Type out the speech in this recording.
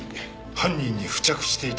犯人に付着していた？